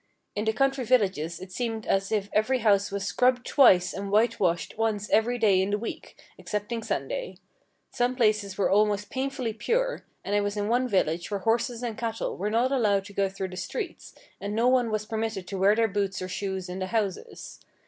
In the country villages it seemed as if every house was scrubbed twice and white washed once every day in the week, excepting Sunday. Some places were almost painfully pure, and I was in one village where horses and cattle were not allowed to go through the streets, and no one was permitted to wear their boots or shoes in the houses.